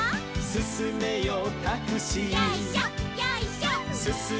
「すすめよタクシー」